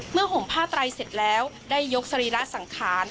ห่มผ้าไตรเสร็จแล้วได้ยกสรีระสังขาร